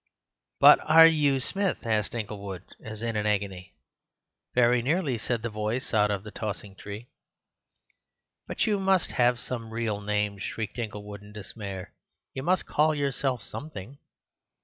"But are you Smith?" asked Inglewood as in an agony. "Very nearly," said the voice out of the tossing tree. "But you must have some real names," shrieked Inglewood in despair. "You must call yourself something."